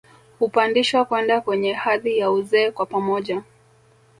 Hupandishwa kwenda kwenye hadhi ya uzee kwa pamoja